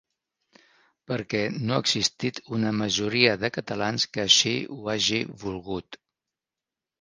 Perquè no ha existit una majoria de catalans que així ho hagi volgut.